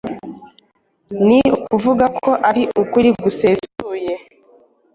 ni ukuvuga ko ari ukuri gusesuye